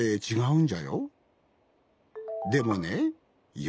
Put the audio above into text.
でもねよ